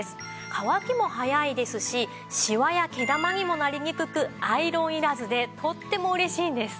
乾きも早いですしシワや毛玉にもなりにくくアイロンいらずでとっても嬉しいんです。